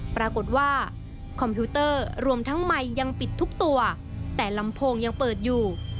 ปรากฏว่าคอมพิวเตอร์รวมทั้งไมค์ยังปิดทุกตัวแต่ลำโพงยังเปิดอยู่